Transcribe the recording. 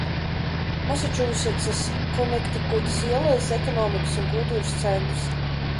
Masačūsetsas Konektikutas ielejas ekonomikas un kultūras centrs.